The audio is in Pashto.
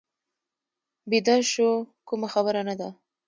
بیده شو، کومه خبره نه ده.